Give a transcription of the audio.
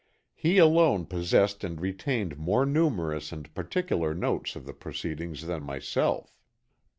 He alone possessed and retained more numerous and particular notes of their proceedings than myself."